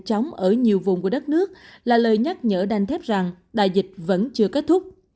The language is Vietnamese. bộ trưởng b một một năm trăm hai mươi chín đã chống ở nhiều vùng của đất nước là lời nhắc nhở đanh thép rằng đại dịch vẫn chưa kết thúc